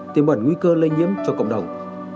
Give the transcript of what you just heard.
tiêm bẩn nguy cơ lây nhiễm cho cộng đồng